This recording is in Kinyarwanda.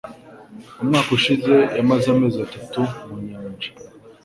Umwaka ushize, yamaze amezi atatu mu nyanja.